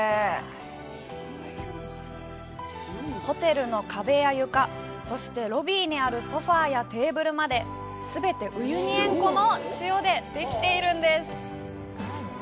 ホテルの壁や床、そしてロビーにあるソファーやテーブルまで全てウユニ塩湖の塩でできているんです。